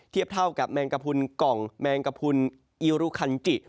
เท่ากับแมงกระพุนกล่องแมงกระพุนอิรุคันจิ